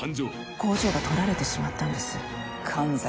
工場がとられてしまったんです。